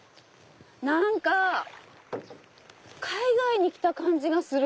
何か海外に来た感じがする。